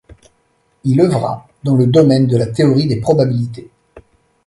Il œuvra dans le domaine de la théorie des probabilités.